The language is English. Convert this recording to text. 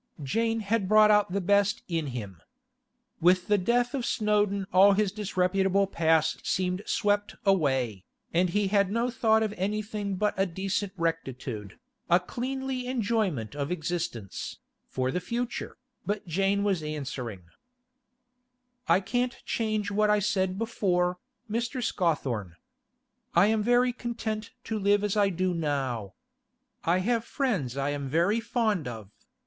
Jane had brought out the best in him. With the death of Snowdon all his disreputable past seemed swept away, and he had no thought of anything but a decent rectitude, a cleanly enjoyment of existence, for the future, but Jane was answering: 'I can't change what I said before, Mr. Scawthorne. I am very content to live as I do now. I have friends I am very fond of.